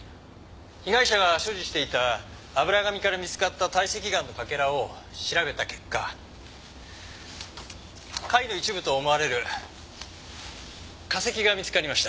「被害者が所持していた油紙から見つかった堆積岩のかけらを調べた結果貝の一部と思われる化石が見つかりました」